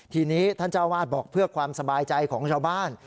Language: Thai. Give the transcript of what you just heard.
ทีนี้ท่านเจ้าวาดบอกเพื่อความสบายใจของชาวบ้าน